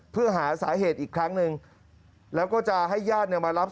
เพื่อหาสาเหตุอีกครั้งหนึ่งแล้วก็จะให้ญาติเนี่ยมารับ